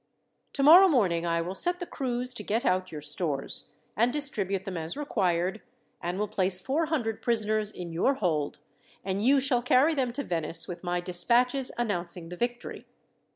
"Tomorrow morning I will set the crews to get out your stores, and distribute them as required, and will place four hundred prisoners in your hold, and you shall carry them to Venice with my despatches announcing the victory.